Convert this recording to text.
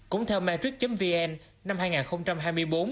cũng theo matrix vn năm hai nghìn hai mươi bốn